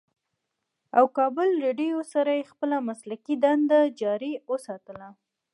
او کابل رېډيو سره ئې خپله مسلکي دنده جاري اوساتله